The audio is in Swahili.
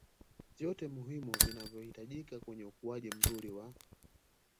vyote muhimu vinavyohitajika kwenye ukuaji mzuri wa